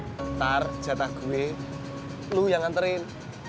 ntar jatah gue lu yang nganterin